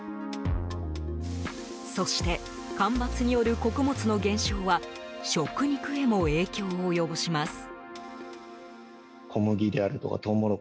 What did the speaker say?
そして干ばつによる穀物の減少は食肉へも影響を及ぼします。